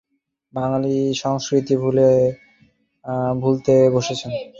যাঁরা কয়েক দশক ধরে আছেন, তাঁরা বলতে গেলে বাঙালি সংস্কৃতি ভুলতে বসেছেন।